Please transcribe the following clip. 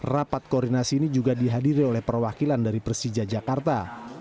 rapat koordinasi ini juga dihadiri oleh perwakilan dari persija jakarta